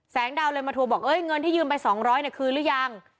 แสงดาวเลยมาทัวร์บอกเงินที่ยืมไป๒๐๐บาทคือหรือยัง